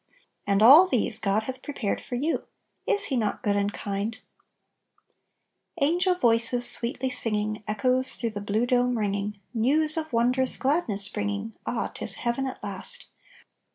And all these " God hath prepared M for you. ' Is He not good and kind ?" Angel voices sweetly singing, Echoes through the bine dome ringing, News of wondrous gladness bringing, Ah, 'tis heaven at last